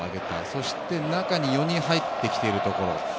そして、中に４人入ってきているところ。